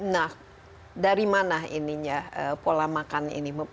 nah dari mana ini ya pola makan ini